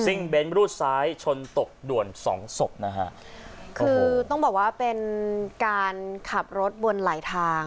ซึ่งเบ้นรูดซ้ายชนตกด่วนสองศพนะฮะคือต้องบอกว่าเป็นการขับรถบนหลายทาง